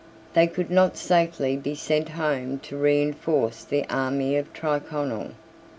They could not safely be sent home to reinforce the army of Tryconnel.